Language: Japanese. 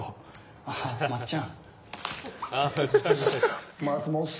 あ、まっちゃん。